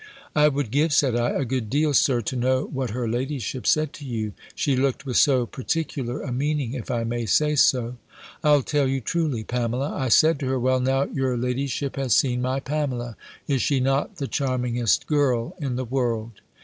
"I would give," said I, "a good deal, Sir, to know what her ladyship said to you; she looked with so particular a meaning, if I may say so." "I'll tell you, truly, Pamela: I said to her, 'Well, now your ladyship has seen my Pamela Is she not the charmingest girl in the world?'